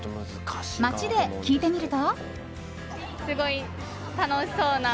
街で聞いてみると。